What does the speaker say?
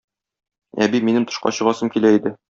Әби, минем тышка чыгасым килә иде.